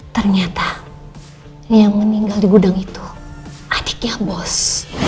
ternyata yang meninggal di gudang itu adiknya bos